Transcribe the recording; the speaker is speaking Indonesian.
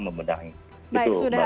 baik sudah ada seseorang dulu